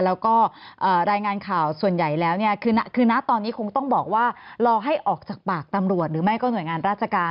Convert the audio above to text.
แล้วก็รายงานข่าวส่วนใหญ่แล้วเนี่ยคือนะตอนนี้คงต้องบอกว่ารอให้ออกจากปากตำรวจหรือไม่ก็หน่วยงานราชการ